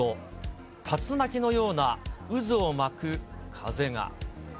よく見ると、竜巻のような渦を巻く風が。